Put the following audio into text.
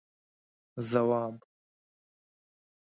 ځواب: